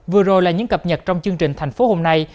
vừa rồi là những cập nhật trong chương trình thành phố hôm nay